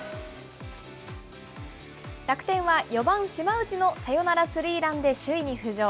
楽天は４番島内のサヨナラスリーランで首位に浮上。